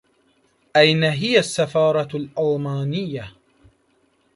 أين هي السّفارة الألمانيّة؟